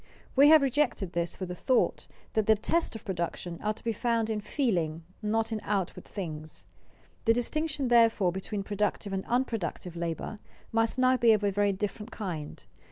We have rejected this for the thought that the tests of production are to be found in feeling, not in outward things. The distinction, therefore, between productive and unproductive labor must now be of a very different kind.